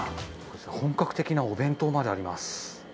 本格的なお弁当まであります。